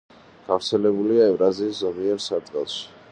გავრცელებულია ევრაზიის ზომიერ სარტყელში.